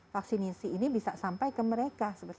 vaksinasi ini bisa sampai ke mereka